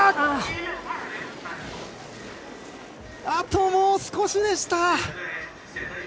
あともう少しでした！